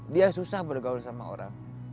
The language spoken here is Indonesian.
dia susah bergaul sama orang